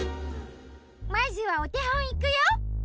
まずはおてほんいくよ。